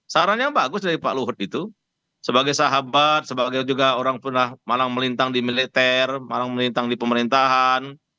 saran yang bagus dari pak luhut itu sebagai sahabat sebagai juga orang pernah malang melintang di militer malang melintang di pemerintahan